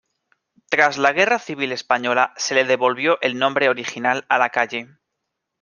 Tras la Guerra Civil Española, se le devolvió el nombre original a la calle.